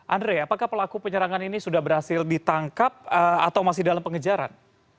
andre apakah pelaku penyerangan ini sudah berhasil ditangkap atau masih dalam pengejaran